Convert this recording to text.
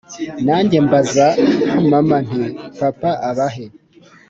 Nanjye mbaza mama nti”papa abahe”